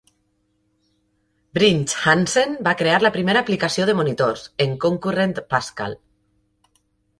Brinch Hansen va crear la primera aplicació de monitors, en Concurrent Pascal.